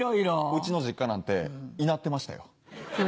うちの実家なんていなってましたよ。